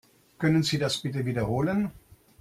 Können Sie das bitte wiederholen?